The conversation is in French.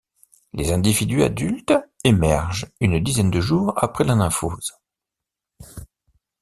Les individus adultes émergent une dizaine de jours après la nymphose.